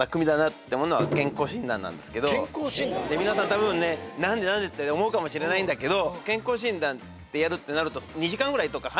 皆さんたぶん、なんでなんでって思うかもしれないんだけど。